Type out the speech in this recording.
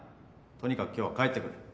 とにかく今日は帰ってくれ。